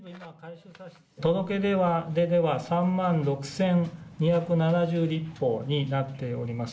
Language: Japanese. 届け出では３万６２７０立方になっております。